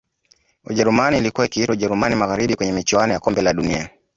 Ujerumani ilkuwa ikiitwa Ujerumani Magharibi kwenye michuano ya kombe la dunia